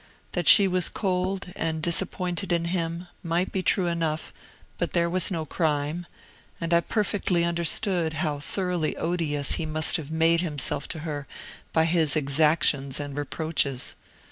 That she was cold, and disappointed him, might be true enough, but there was no crime; and I perfectly understood how thoroughly odious he must have made himself to her by his exactions and reproaches.